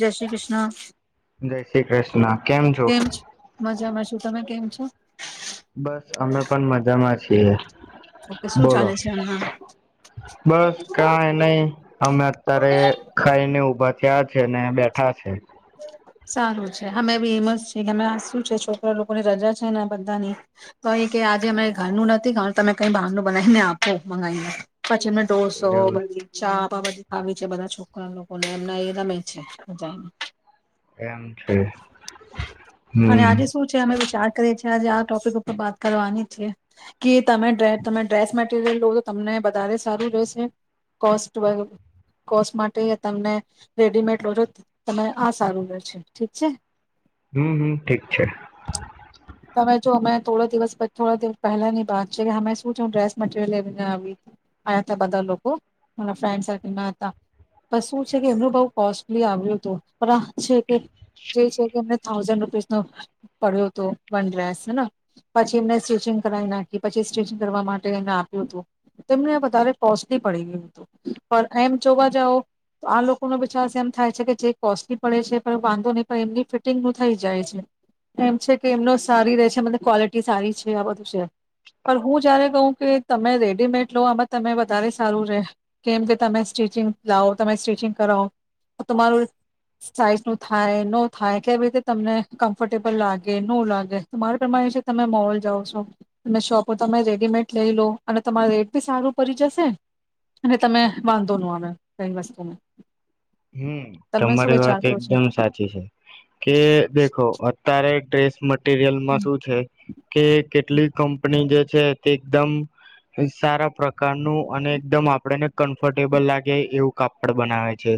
જય શ્રી કૃષ્ણ, જય શ્રી કૃષ્ણ છો કેમ છે મજામાં શું તમે કેમ છો? [unintelligible] બસ અમે પણ મજામાં છીએ, ઓકે શું બોલો ચાલે છે હમણાં બસ કઈ નઈ અમે અત્યારે ખાઈને ઉભા થયા છે ને બેઠા છે, સારું છે, અમે બી એમ જ છીએ કે અમે શું છે છોકરા લોકોની રજા છે, ને બધાની તો કે આજે અરે ઘરનું નથી કારણ તમે કઈ બહારનું બનાવીને આપો મંગાઈને. પછી એને ડોસો એવું બગીચા પ્પા બધી ખાવી છે, બધા છોકરા લોકોને એમના એ રમે છે, મજાને એમ છે અને હમ્મ આજે શું છે અમે વિચાર કરીએ છી આજે આ ટોપિક ઉપર વાત કરવાની છે, કે તમે તમે ડ્રેસ મટીરિયલ લો છો તમને વધારે સારું જોશે કોસ્ટ કોસ્ટ માટે તમને રેડીમેડ લોજો તમે હા સારું રહેશે ઠીક છે, હમ્મ હમ્મ ઠીક છે, તમે જો અમે થોડા દિવસ થોડા દિવસ પહેલાની વાત છે, કે અમે શું છે ડ્રેસ મટીરિયલ લને્યા હતા બધા લોકો મારા ફ્રેન્ડ સર્કલ ના હતા પણ શું છે, કે એમનું બહુ કોસ્ટલી આવ્યું હતું પણ આ છે, કે જે છે એમ થાઉઝન્ડ રૂપીસ ન પડ્યો હતો. વન ડ્રેસ હે પછી એમને સ્ટિચિંગ કરાવ નાખી પછી સ્ટિચિંગ કરવા માટે એને આપ્યું હતું, એમને વધારે કોસ્ટલી પડી ગયું હતું, પણ એમ જોવા જાવ તો આ લોકોનો વિચ્વાસ એમ થાય છે કે જે કોસ્ટલી પડે છે, પણ વાંધો નહીં પણ એમની ફિટિંગ નું થઈ જાય છે, એમ છે કે એમનો સારી રહે છે, મને ક્વૉલિટી સારી છે આ બધું છે પણ હું જ્યારે કહું કે તમે રેડીમેડ લો આમાં તમે વધારે સારું રહે કેમ કે તમે સ્ટિચિંગ લાવ તમે સ્ટિચિંગ કરાવો તમારું સાઈઝનું થાય ન થાય, કેવી રીતે તમને કમ્ફર્ટેબલ લાગે ન લાગે તમારે પ્રમાણે છે, તમે મોલ જાઓ છો તમે શોપો તમે રેડીમેટ લઈ લો અને તમારો રેટ બી સારું પડી જશે અને તમે વાંધો ન અમે કન વસ્તુને હમ તમારી વાત એકદમ સાચી છે, કે દેખો અત્યારે ડ્રેસ મ રયલમાં હમ. શું છે, કે કેટલી કંપની જે છે, તે એકદમ સારા પ્રકારનું અને એકદમ આપણેને કમ્ફર્ટેબલ લાગે એવું કાપડ બનાવે છે,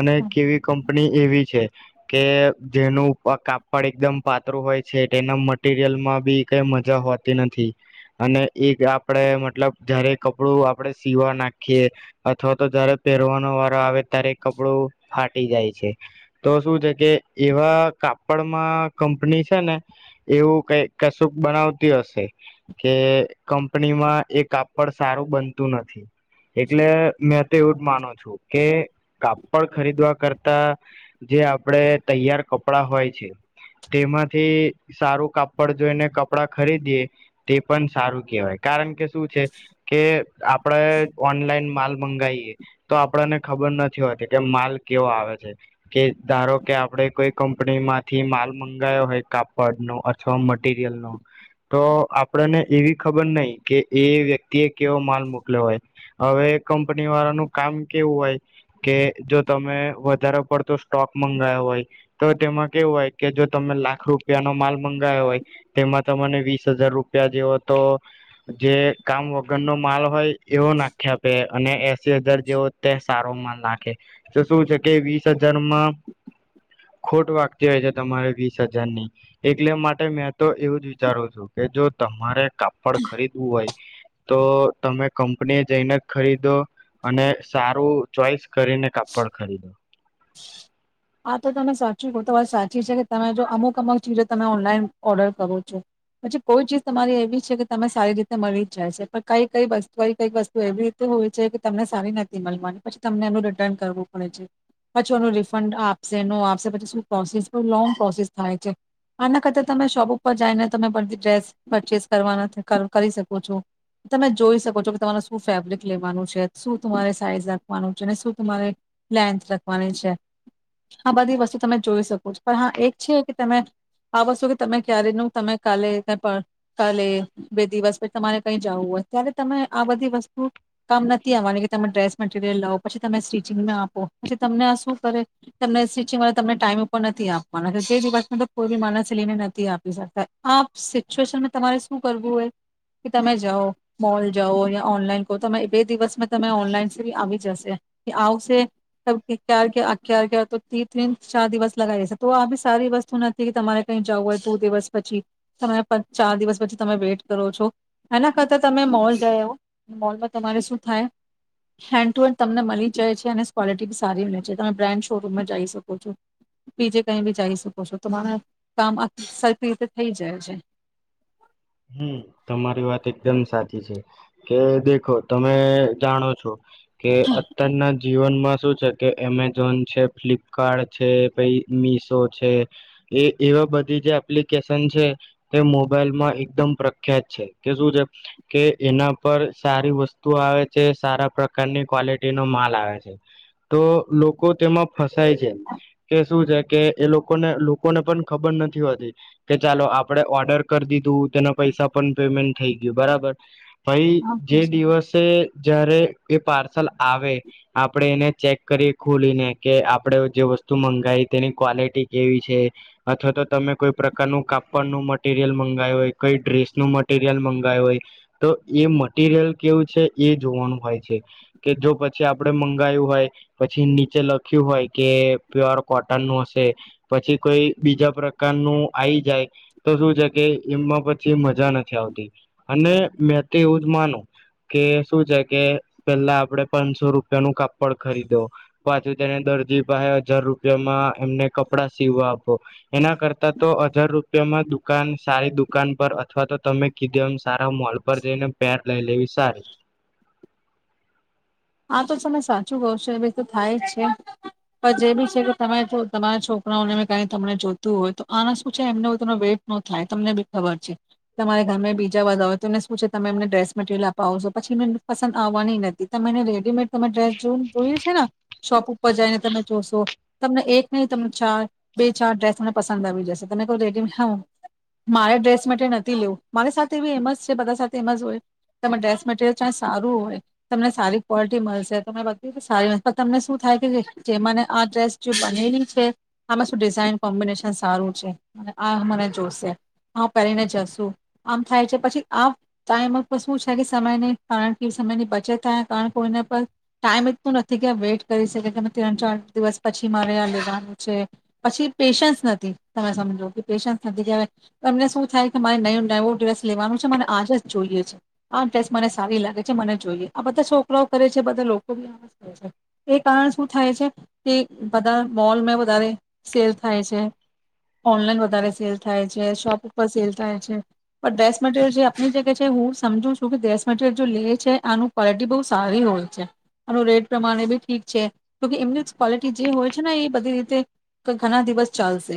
અને કેવી કંપની એવી છે, કે જેનું કાપડ એકદમ પાતું હોય છે, તેના મટીરિયલમાં બી કઈ મજા હોતી નથી, અને એ આપણે મતલબ જયારે કપડું આપણે સીવા નાખીએ અથવા તો જયારે પહેરવાનો વારોો આવે ત્યારે કપડું ફાટી જાય છે, તો શું છે કે એવા કાપડમાં કંપની છે, ને એવું કઈ કશુંક બનાવતી હશે કે કંપનીમાં એ કાપડ સારું બનતું નથી, એટલે મેં તો એવું જ માનું છું, કે કાપડ ખરીદવા કરતા જે આપડે તૈયાર કપડા હોય છે, તેમાંથી સારું કાપડ જોઈને કપડાં ખરીદીએ તે પણ સારું કહેવાય કારણ કે શું છે, કે આપણેે ઓનલાઈન માલ મંગાવીએ તો આપણને ખબર નથી કે માલ કેવો આવે છે, કે ધારો કે આપણે કોઈ કંપનીમાંથી માલ મંગાયો હોય કાપડ નો અથવા મટીરયલ નો તો આપણને એવી ખબર નહી, કે એ વ્યક્તિ એ કેવો માલ મોકલ્યો હોય, હવે કંપની વાળાનું કામ કેવું હોય, કે જો તમે વધારે પડતો સ્ટોક મંગાવો હોય, તો તેમાં કેવું હોય કે જો તમે લાખ રૂપિયાનોો માલ મંગાવો હોય તેમાં તને વીસ હજાર રૂપિયા જેવો તો જે કામ વગરનોો માલ હોય, એવો નાખ્યા આપે અને એસી હજાર જેવો તે સારો માલ નાખે તો શું છે કે વીસ હજારમાં ખોટ વાગતી હોય છે, તમારે વીસ હજાર ની એટલે માટે મેં તો એવું જ વિચારું છું, કે જો તમારે કાપડ ખરીદવું હોય તો તમે કંપની એ જઈને જ ખરીદો અને સારું ચોઈસ કરીને કાપડ ખરીદો આ તો તમે સાચું તો વાત સાચી છે કે તમે જો અમુક અમુક ચીજો તમે ઓનલાઈન ઓર્ડર કરો છો પછી કોઈ ચીજ તમારી એવી છે કે તને સારી રીતે મળી જ જાય છે પણ કઈ કઈ વસ્તુ કઈ વસ્તુ એવી રીતે હોવીય છે કે તમને સારી નથી મળીવાની પછી તમને એનું રિટર્ન કરવું પડે છે પછી એનું રિફંડ આપ આપ પછી શું પ્રોસેસ લોંગ પ્રોસેસ થાય છે આના કરતા તમે શોપ ઉપર જઈને તમે બધી ડ્રેસ પરચેસ કરવાના કરી શકો છો તમે જોઈ શકો છો કે તમારે શું ફેબ્રિક લેવાનું છે શું તમારે સાઈઝ રાખવાનું છે શું તમારે લેન્થ રાખવાની છે આ બધી વસ્તુ તમે જોઈ શકો છો પણ હા એક છે કે તમે આ વસ્તુ કે તમે ક્યારે ન તમે કાલે ક કાલે બે દિવસ પછી તમારે કઈ જવું હોય ત્યારે તમે આ બધી વસ્તુ કામ નથી આવવાની કે તમે ડ્રેસ મટરિયલ લાવો પછી તમે સ્ટિચિંગમાં આપો પછી તમને આ શું કરે તમને સિચિ તમને ટાઈમ ઉપર નથી આપવાના જે દિવસમાં તો કોઈ બી માણસ લઈને નથી આપી શકતા આ સિચ્યુએશનમાં તમારે શું કરવું હોય કે તમે જાઓ મોલ જાઓ યા ઓનલાઈન કહો બે દિવસમાં તમે ઓનલાઈની આવી જશે આવશે ક્યારે ક્યારે કવાય તો ત ત્રીન ચાર દિવસ લગાવી જશે તો આ બી સારી વસ્તુ નથી કે તમારે કઈ જવું હોય ટુ દિવસ પછી તમારે ચાર દિવસ પછી તમે વેઇટ કરો છો એના કરતા તમે મોલ ગયા મોલમાં તમારે શું થાય હેન્ડ ટુ હેન્ડ તમને મળી જાય છે અને કવોલિટી બી સારી મળી જ તમે બ્રાન્ડ શોરૂમમાં જઈ શકો છો બીજે કઈ બી જઈ શકો છો તમારે કામ આ સર રીતે થઈ જાય છે હમ તમારી વાત એકદમ સાચી છે કે દેખો તમે જાણો છો કે અત્યારના જીવનમાં શું છે કે એમેઝોન છે ફ્લિપકાર્ટ છે પ મીસો છે એ એવા બધી જે એપ્લિકેશન છે તે મોબાઈલમાં એકદમ પ્રખ્યાત છે કે શું છે કે એના પર સારી વસ્તુ આવે છે સારા પ્રકારની ક્વોલિટીનોો માલ આવે છે તો લોકો તેમાં ફસાય છે કે શું છે કે એ લોકોને લોકોને પણ ખબર નથી હોતી કે ચાલો આપણે ઓર્ડર કરી દીધું તેના પૈસા પણ પેમેન્ટ થઈ ગયું બરાબર ભાઈ જે દિવસે જારે એ પ લ આવે આપણે એને ચેક કરીએ ખોલીને કે આપણે જે વસ્તુ મંગાવી તેની ક્વોલિટી કેવી છે અથવા તો તમે કોઈ પ્રકારનું કાપડનુંું મટીરિયલ મંગાવું હોય કઈ ડ્રેસનું મટીિરિયલ મંગાયું હોય તો એ મટીરિયલ કેવું છે એ જોવાનું હોય છે કે જો પછી આપણે મંગાયું હોય પછી નીચે લખ્યું હોય કે પ્યોર કોટનનું હશે પછી કોઈ બીજા પ્રકારનું આવી જાય તો શું છે કે એમાં પછી મજા નથી આવતી અને મેં તો એવું જ માનું કે શું છે કે પેલા આપડે પાંચસો રૂપિયા નું કાપડ ખરીદો પાછુ તેને દરજી પહે હજાર રૂપિયામાં એમને કપડા સીવા આપો એના કરતા તો હજાર રૂપિયામાં દુકાન સારી દુ દુકાન પર અથવા તો તમે કીધે સારા મોલ પર જઈને પેર લઈ લેવી સારી આ તો તમે સાચું કહ છો એ ભ તો થાય જ છે પણ જે બી છે કે તમે જો તમારા છોકરાઓને ક તમને જોતું હોય તો આના શું છે એમને વેટ નો થાય તમને બી ખબર છે તમારા ઘરમે બીજા બધા હોય તો એને શું છે તમે એમને ડ્રેસ મટરિયલ અપાવો છો પછી એને પસંદ આવવાની નથી તમે એને રેડીમેડ તમે ડ્રેસ જોવું જોઈયએ છે ને શોપ ઉપર જઈને તમે જોશો તમને એક નહી તમને ચ બે ચાર ડ્રેસ મને પસંદ આવી જશે તમે કહો રેડીમે હા મારે ડ્રેસ મટરિયલ નથી લેવું મારી સાથે એ એમ જ છે બધા સાથે એમ જ હોય તમા ડ્રેસ મટરિયલ સારું હોય તમને સારી કવૉલિટી મળશે તો મેં બધ કે સારી પણ તમને શું થાય કે જે મને આ ડ્રેસ જે બનેલી છે આમાં શું ડિઝાઇન કોમ્બિનેશન સારું છે અને આ મને જોશે હ પહેરીને જશું આમ થાય છે પછી આ ટાઈમ ઉપર શું છે કે સમયની કારણ કે સમયની બચત થ કારણ કોઈને પર ટાઈમ એટલું નથી કે આ વેઇટ કરી શકે કે ત્રણ ચાર દિવસ પછી મારે આ લેવાનું છે પછી પેશન્સ નથી તમે સમજો કે પેશન્સ નથી કે હવે એમને શું થાય કે મારે નયું નવું ડ્રેસ લેવાનું છે મને આજ જ જોઈએ છે આ ડ્રેસ્ટ મને સારી લાગે છે મને જોઈએ આ બધા શો કરે છે બધા લોકો બી કર છે એ કારણ શું થાય છે કે બધા મોલમાં વધારે સેલ થાય છે ઓનલાઈન વધારે સેલ થાય છે શોપ ઉપર સેલ થાય છે પણ ડ્રેસ મટરિયલ જે આપણી જગ્યા છે હું સમજુ છું કે ડ્રેસ મટરિયલ જો લે છે આનું ક્વોલિટી બહુ સારી હોય છે અને રેટ પ્રમાણે બી ઠીક છે એમની જ ક્વલિટી જે હોય છે ને એ બધી રીતે ઘણા દિવસ ચાલશે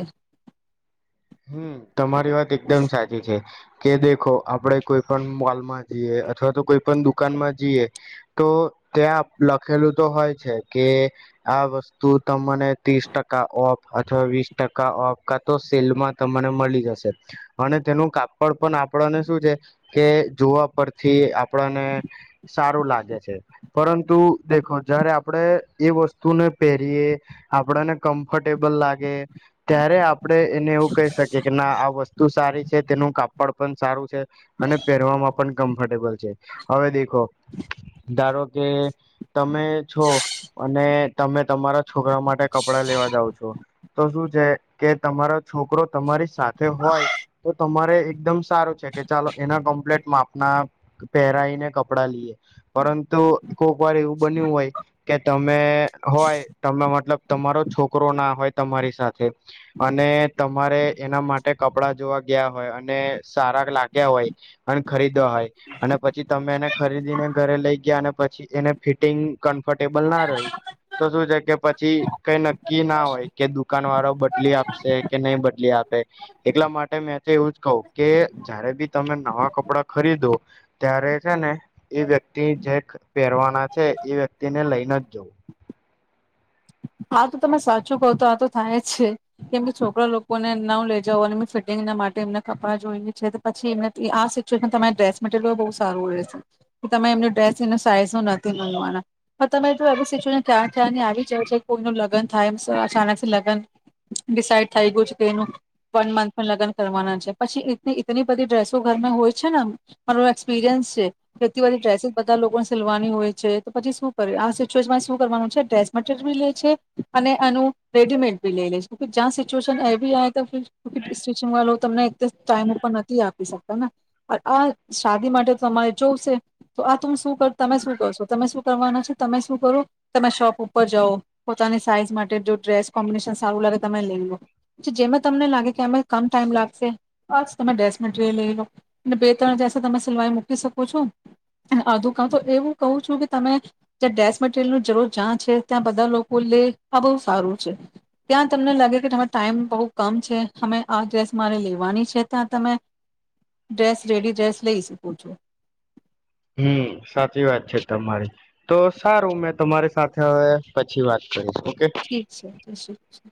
હમ તમારી વાત એકદમ સાચી છે કે દેખો આપડે કોઈ પણ મોલમાં જઈએ અથવા તો કોઈ પણ દુકાનમાં જઈએ તો ત્યાં લખેલું તો હોય છે કે આ વસ્તુ તને ત્રીસ ટકા ઓફ અથવા વીસ ટકા ઓફ કા તો સેલમાં ત મને મળી જશે અને તેનું કાપડ પણ આપણને શું છે કે જોવા પરથી આપણને સારું લાગે છે પરંતુ દેખો જારે આપણે એ વસ્તુને પહેરીયએ આપણને કમ્ફર્ટેબલ લાગે ત્યારે આપડે એને એવું કઈ આ વસ્તુ સારી છે તેનું કાપ પડપન સારું છે અને પહેરવામાં પણ કમ્ફર્ટેબલ છે હવે દેખો ધારો કે તમે છો અને તમે તમારા છોકરા માટે કપડા લેવા જાાવ છો તો શું છે કે તમારો છોકરો તમારી સાથે હોય તો તમારે એકદમ સારું છે કે ચાલો એના કમ્પ્લેટ માપના પહેરાઈને કપડાં લઈએ પરંતુ ર એવું બન્યું હોય કે તમે હોય તમે મતલબ તમારો છોકરો ના હોય તમારી સાથે અને ત તમારે એના માટે કપડા જોવા ગયા હોય અને સારા લાગ્યા હોય અને ખરીદવા હોય અને પછી તમે એને ખરીદીને ઘરે લઈ ગયા અને પછી એને ફિટિંગ કમ્ફર્ટેબલ ના રહ્યું તો શું છે કે પછી કઈ નક્કી ના હોય કે દુકાન વાળો બદલી આપશે બદલી આપે એટલા માટે મેં એવું જ કહ કે જયારે બી તમે નવા કપડાં ખરીદો ત્યારે છે ને એ વ્યક્તિ જે પહેરવાના છે એ વ્યક્તિને લઈને જ જવું હા તો તમે સાચું કહ તો આ તો થાય જ છે કેમ કે છોકરા લોકોને ના લે જાવઓ અને એ ફિટિંગના માટે એમને કપડાં જોઈને છે પછી એમને આ સિચ્યુએશન તમારી ડ્રેસ મટરિયલ બહુ સારું રહેશે કે તમે એમની ડ્રેસ એને સાઈઝ ન નથી મળનવાના પણ તમે એ સિચ્યુએશન ક્યાં થયાં આવી જ કોઈનું લગ્ન થાય એ અચાનક લગ્ન ડિસાઈડ થઈ ગયું છે કે એનું વન મંથ પણ લગન કરવાના છે પછી એટલી બધી ડ્રેસો ઘરમાં હોય છે ને મારો એક્સપિરિયન્સ છે એટલી બધી ડ્રેસીસ બધા લોકોને સીવાની હોય છે તો પછી શું કરે આ સિચ્યુએશનમાં શું કરવાનું છે ડ્રેસ મટીરિયલી લે અને એનું રેડીમેટી લઈ લે જ્યાં સિચ્યુએશન એ ચ વાો તમને એક ટાઈમ ઉપર નથી આપી શકતા ને આ શાદી માટે તમારે જોવશે તો આ ત હ શું કર તમે શું કરશો તમે શું કરવાના છે તમે શું કરો તમે શોપ ઉપર જાઓ પોતાની સાઈઝ માટે જો ડ્રેસ કોમ્બિનેશન સારું લાગે તમે લઈ લો જેમે તમને લાગે કે અમ કમ ટાઈમ લાગશે આ તમે ડ્રેસ મટીરિયલ લઈ લો અને બે ત્રણ જસે તમે સિલાવાઈ મૂકી શકો છો અને અધું કા તો એવું કહું છું કે તમે જ્યાં ડ્રેસ મટીરિયલ જરૂર જ્યાં છે ત્યાં બધા લોકો બૂલે આ બહુ સારું છે ત્યાં તમને લાગે કે તમારે ટાઈમ બહુ કમ છે અમે આ ડ્રેસ મારે લેવાની છે ત્યાં તમે ડ્રેસ રેડી ડ્રેસ લઈ શકો છો હમ સાચી વાત છે તમારી તો સારું મેં તમારી સાથે હવે પછી વાત કરીશ ઓકે ઠીક છે જય શ્રી